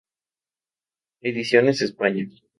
Ediciones España.